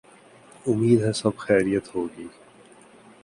امید ہے سب خیریت ہو گی۔